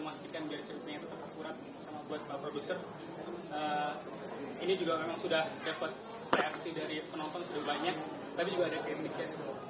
pak kritik yang nyutup kalau ini eksklusif dan sebagainya